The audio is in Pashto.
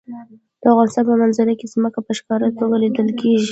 د افغانستان په منظره کې ځمکه په ښکاره توګه لیدل کېږي.